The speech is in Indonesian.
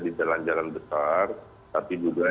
di jalan jalan besar tapi juga